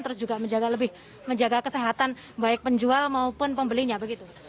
terus juga menjaga lebih menjaga kesehatan baik penjual maupun pembelinya begitu